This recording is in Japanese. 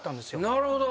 なるほど。